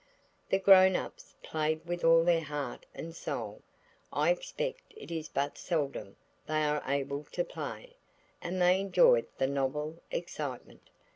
The grown ups played with all their heart and soul–I expect it is but seldom they are able to play, and they enjoy the novel excitement.